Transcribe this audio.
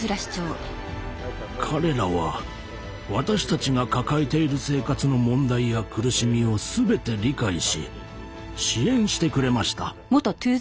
彼らは私たちが抱えている生活の問題や苦しみを全て理解し支援してくれました。